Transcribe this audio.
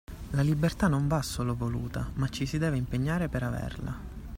La libertà non va solo voluta, ma ci si deve impegnare per averla!